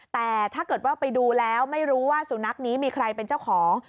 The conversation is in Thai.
แต่ถ้าเกิดว่าไปดูแล้วไม่รู้ว่าสุนัขนี้มีใครเป็นเจ้าของ